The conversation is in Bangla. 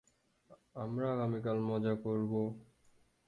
আমরা আগামীকাল মজা করব।